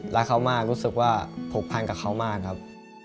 รักเขามากรู้สึกว่าผูกพันกับเขามากครับ